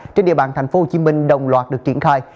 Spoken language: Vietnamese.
trên địa bàn tp hcm đồng loạt được triển khai